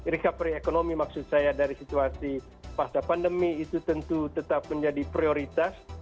recovery ekonomi maksud saya dari situasi pasca pandemi itu tentu tetap menjadi prioritas